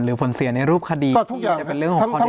หรือผลเสียในรูปคดีที่จะเป็นเรื่องของความเร็จจริง